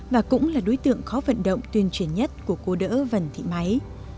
và cũng là đối tượng khó vận động tuyên truyền nhất của cô đỡ vần thị máy